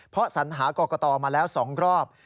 เพราะสัญหากรกตมาแล้ว๒รอบ